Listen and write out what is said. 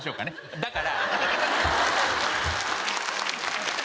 だから。